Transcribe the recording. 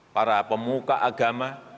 para pemuka agama